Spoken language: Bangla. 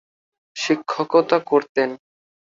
শিক্ষকতা করতেন।